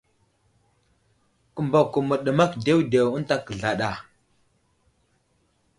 Kəmbako məɗəmak ɗewɗew ənta kəzlaɗ a.